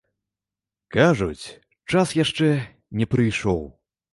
Кажуць, час яшчэ не прыйшоў.